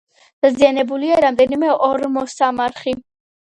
დაზიანებულია რამდენიმე ორმოსამარხი.